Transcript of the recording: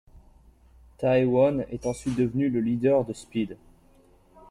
Taewoon est ensuite devenu le leader de Speed.